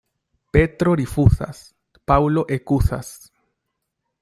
Petro rifuzas, Paŭlo ekuzas.